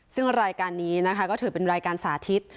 ซึ่งรายการนี้นะคะก็ถือเป็นรายการสาธิต